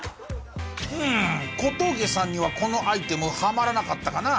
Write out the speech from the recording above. うーん小峠さんにはこのアイテムハマらなかったかな？